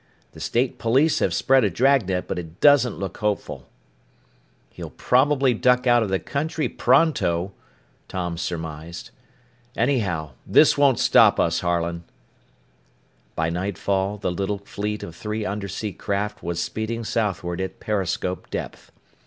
The State Police have spread a dragnet, but it doesn't look hopeful." "He'll probably duck out of the country pronto," Tom surmised. "Anyhow, this won't stop us, Harlan." By nightfall the little fleet of three undersea craft was speeding southward at periscope depth.